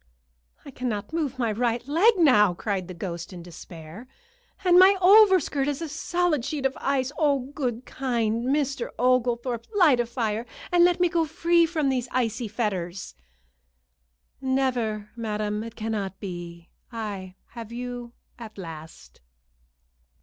"I cannot move my right leg now," cried the ghost, in despair, "and my overskirt is a solid sheet of ice. Oh, good, kind Mr. Oglethorpe, light a fire, and let me go free from these icy fetters." "Never, madam. It cannot be. I have you at last."